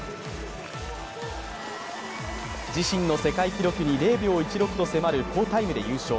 自身の世界記録に０秒１６と迫る好タイムで優勝。